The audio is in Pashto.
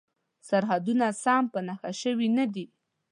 سرحدونه سم په نښه شوي نه دي.